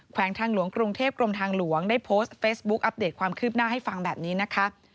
วงทางหลวงกรุงเทพกรมทางหลวงได้โพสต์เฟซบุ๊คอัปเดตความคืบหน้าให้ฟังแบบนี้นะคะ